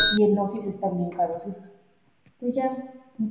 Paralizada, abre accidentalmente una salida hacia la Catedral en Stark.